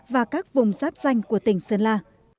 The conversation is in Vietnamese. và các vùng giáp danh của tỉnh sơn la